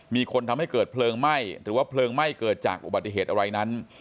มีคนทำให้เกิดเพลิงไหม้หรือว่าเพลิงไหม้เกิดจากอุบัติเหตุอะไรนั้น